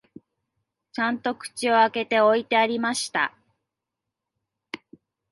ちゃんと口を開けて置いてありました